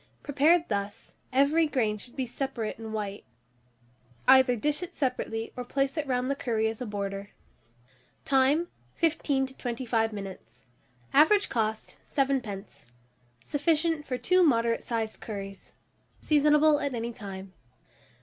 Prepared thus, every grain should be separate and white. Either dish it separately, or place it round the curry as a border. Time. 15 to 25 minutes. Average cost, 7d. Sufficient for 2 moderate sized curries. Seasonable at any time.